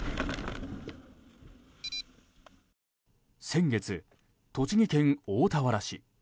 先月、栃木県大田原市。